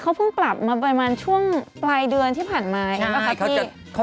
เขาเพิ่งปรับมาประมาณช่วงปลายเดือนที่ผ่านมา